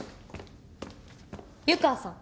湯川さん